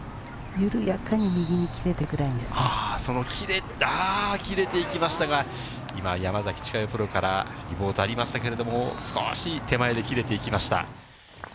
緩やかに右に切れていくライその切れて、ああ、切れていきましたが、今、山崎千佳代プロから、リポートありましたけれども、少し手前で切れていきました。